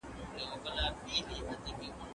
هغه وسایل چي دلته دي ډېر قیمتي دي.